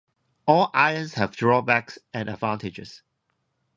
All ions have drawbacks and advantages.